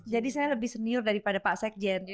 jadi saya lebih senior daripada pak sekjen